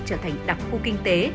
trở thành đặc khu kinh tế